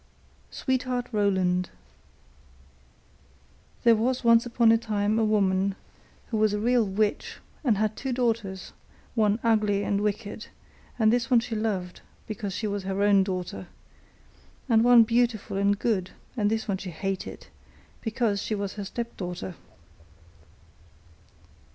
SWEETHEART ROLAND There was once upon a time a woman who was a real witch and had two daughters, one ugly and wicked, and this one she loved because she was her own daughter, and one beautiful and good, and this one she hated, because she was her stepdaughter.